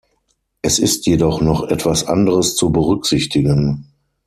Es ist jedoch noch etwas anderes zu berücksichtigen.